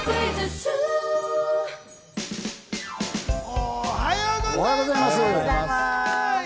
おはようございます！